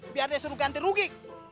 biar dia suruh ganti rugi